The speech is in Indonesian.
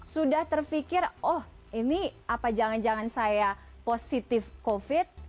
sudah terpikir oh ini apa jangan jangan saya positif covid sembilan belas